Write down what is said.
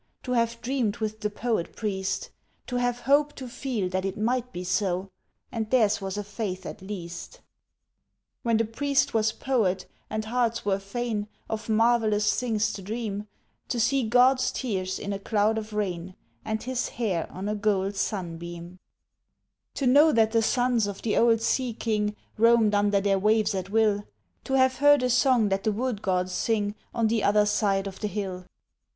To have dreamed with the poet priest! To have hope to feel that it might be so! And theirs was a faith at least. When the priest was poet, and hearts were fain Of marvellous things to dream, To see God's tears in a cloud of rain, And his hair on a gold sunbeam; To know that the sons of the old Sea King Roamed under their waves at will, To have heard a song that the wood gods sing On the other side of the hill!